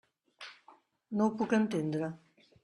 No ho puc entendre.